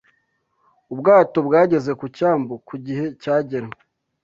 Ubwato bwageze ku cyambu ku gihe cyagenwe